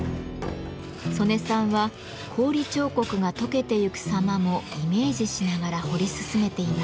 曽根さんは氷彫刻がとけてゆく様もイメージしながら彫り進めています。